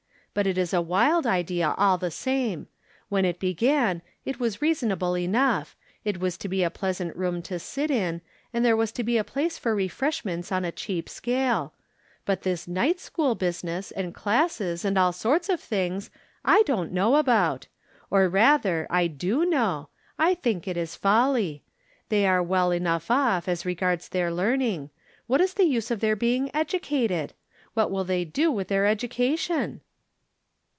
But it is a wild idea, all the same. When it began it was rea sonable enough ; it was to be a pleasant room to sit in, and there was to be a place for refresh ments on a cheap scale. But this night school business, and classes, and all sorts of things, I don't know about ; or, rather, I do know — I think it is folly. They are well enough off, as regards their learning. What is the use of their being educated ? What will they do with their educa tion?"